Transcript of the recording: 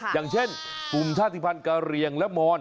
อย่างเช่นกลุ่มชาติภัณฑ์กะเรียงและมอน